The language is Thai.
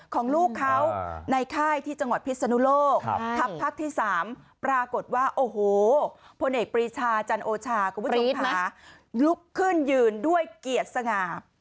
คุณผู้ชมพาพรีชมั้ยลุกขึ้นยืนด้วยเกียรติสงา